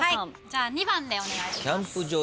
じゃあ２番でお願いします。